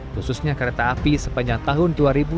khususnya kereta api sepanjang tahun dua ribu dua puluh